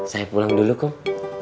saya pulang dulu kum